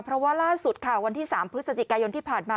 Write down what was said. เพราะว่าล่าสุดค่ะวันที่๓พฤศจิกายนที่ผ่านมา